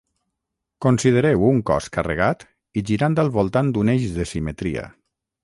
Considereu un cos carregat i girant al voltant d'un eix de simetria.